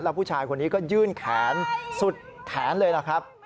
แล้วผู้ชายคนนี้ก็ยื่นแขนสุดแขนเลยล่ะครับ